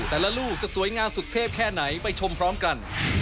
ลูกจะสวยงามสุดเทพแค่ไหนไปชมพร้อมกัน